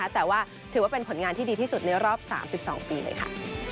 แต่ว่าถือว่าเป็นผลงานที่ดีที่สุดในรอบ๓๒ปีเลยค่ะ